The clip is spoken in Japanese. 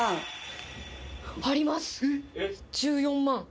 １４万。